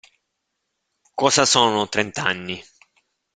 Cosa sono trent'anni?